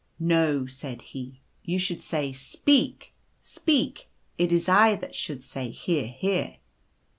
' No/ said he, i you should say " speak, speak," it is I that should say " hear, hear."